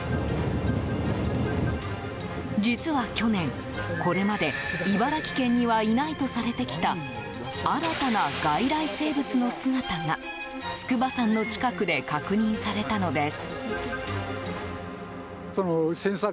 実は去年、これまで茨城県にはいないとされてきた新たな外来生物の姿が筑波山の近くで確認されたのです。